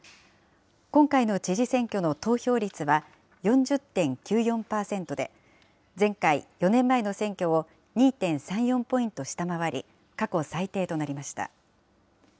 今回の知事選挙の投票率は４０．９４％で、前回・４年前の選挙を２．３４ポイント下回り、過去最